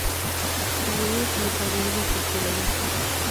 تایرویډ میټابولیزم کنټرولوي.